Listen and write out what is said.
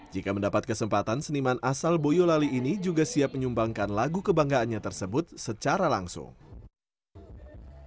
jika mendapat kesempatan seniman asal boyolali ini juga siap menyumbangkan lagu kebanggaannya tersebut secara langsung